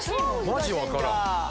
マジ分からん。